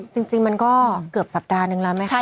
จริงมันก็เกือบสัปดาห์นึงแล้วไหมคะ